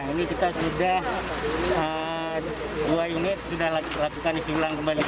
ini kita sudah dua unit sudah lakukan isi ulang kembali